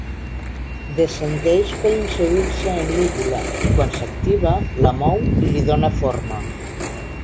Descendeix per inserir-se en l'úvula i quan s'activa, la mou i li dóna forma.